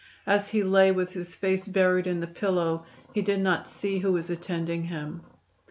As he lay with his face buried in the pillow he did not see who was attending him.